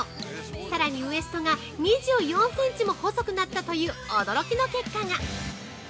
さらにウエストが２４センチも細くなったという驚きの結果が。